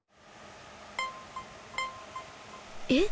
えっ？